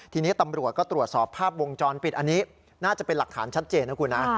ทีนี้ตำรวจก็ตรวจสอบภาพวงจรปิดอันนี้น่าจะเป็นหลักฐานชัดเจนนะคุณนะ